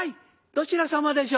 どちら様でしょう？」。